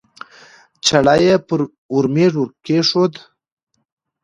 چړه یې په ورمېږ ورکېښوده